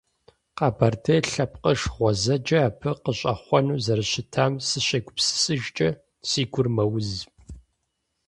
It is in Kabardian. Къэбэрдей лъэпкъыш гъуэзэджэ абы къыщӀэхъуэну зэрыщытам сыщегупсысыжкӀэ, си гур мэуз.